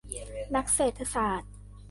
นักเศรษฐศาสตร์